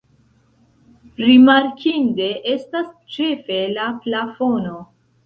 Rimarkinde estas ĉefe la plafono.